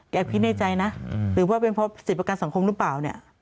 แกอภิกษ์ในใจนะหรือว่าเป็นเพราะศิษย์ประการสังคมหรือเปล่า